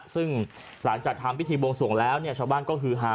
ซึ่งหลังจากทำพิธีบวงสวงแล้วชาวบ้านก็คือฮา